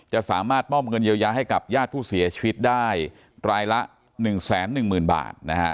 จะสามารถมอบเงินเยียวยาให้กับญาติผู้เสียชีวิตได้รายละ๑๑๐๐๐บาทนะฮะ